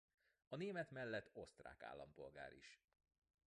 A német mellett osztrák állampolgár is.